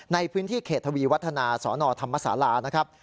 ในพื้นที่เขตทวีวัฒนาสนธรรมศาลานะครับ